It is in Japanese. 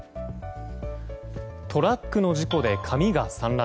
トラックの事故で紙が散乱。